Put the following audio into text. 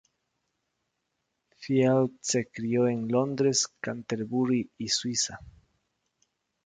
Field se crio en Londres, Canterbury y Suiza.